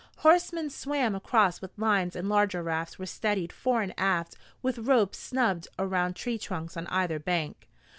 Horsemen swam across with lines and larger rafts were steadied fore and aft with ropes snubbed around tree trunks on either bank.